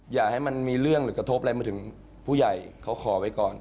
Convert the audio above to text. อย่าให้มันมีเรื่องหรือกระทบอะไรมาถึงผู้ใหญ่เขาขอไว้ก่อน